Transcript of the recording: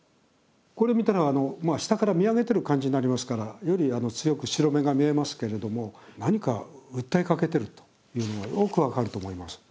これ見たら下から見上げてる感じになりますからより強く白目が見えますけれども何か訴えかけてるというのがよく分かると思います。